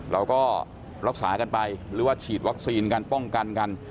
เราก็รักษากันไปหรือว่าฉีดวัคซีนกันป้องกันกัน